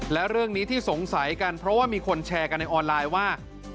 และเรื่องนี้ที่สงสัยกันเพราะว่ามีคนแชร์กันในออนไลน์ว่า